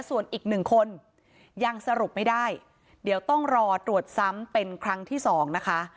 ส่วนอีกหนึ่งคนยังสรุปไม่ได้เดี๋ยวต้องรอตรวจซ้ำเป็นครั้งที่สองนะคะ